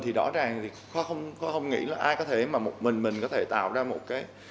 thì rõ ràng thì không nghĩ là ai có thể mà một mình mình có thể tạo ra một cái